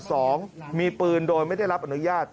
สองมีปืนโดยไม่ได้รับอนุญาต